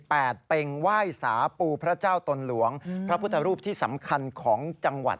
แปดเป็งไหว้สาปูพระเจ้าตนหลวงพระพุทธรูปที่สำคัญของจังหวัด